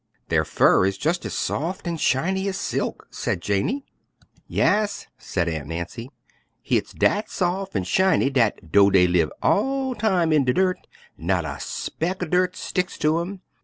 "Their fur is just as soft and shiny as silk," said Janey. "Yas," said Aunt Nancy, "hit's dat sof an' shiny dat, dough dey live all time in de dirt, not a speck er dirt sticks to 'em.